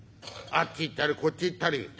あっち行ったりこっち行ったり。